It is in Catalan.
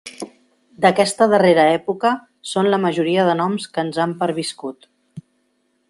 D'aquesta darrera època són la majoria de noms que ens han perviscut.